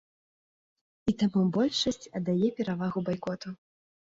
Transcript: І таму большасць аддае перавагу байкоту.